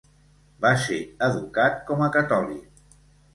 Va ser educat com a catòlic.